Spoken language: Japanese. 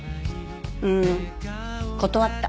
うん断った。